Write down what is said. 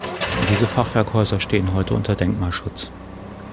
Diese Fachwerkhäuser stehen heute unter Denkmalschutz.